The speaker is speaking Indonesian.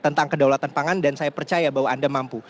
tentang kedaulatan pangan dan saya percaya bahwa anda mampu